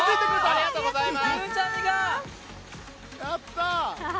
ありがとうございます。